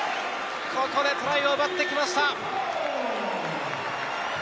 ここでトライを奪ってきました！